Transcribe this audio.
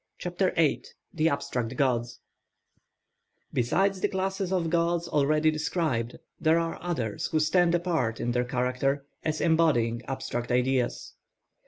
CHAPTER VIII THE ABSTRACT GODS Besides the classes of gods already described there are others who stand apart in their character, as embodying abstract ideas.